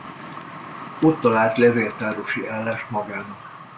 Ott talált levéltárosi állást magának.